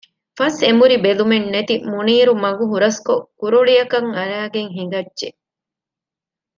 ފަސްއެނބުރި ބެލުމެއް ނެތި މުނީރު މަގު ހުރަސްކޮށް ކުރޮޅިއަކަށް އަރައިގެން ހިނގައްޖެ